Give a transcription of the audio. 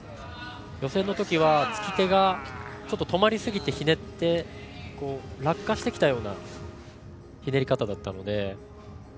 予選のときはつき手が、止まりすぎてひねって落下してきたようなひねり方だったので。